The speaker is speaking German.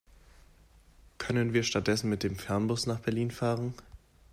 Können wir stattdessen mit dem Fernbus nach Berlin fahren?